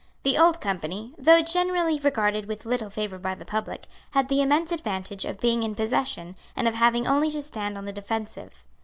The Old Company, though generally regarded with little favour by the public, had the immense advantage of being in possession, and of having only to stand on the defensive.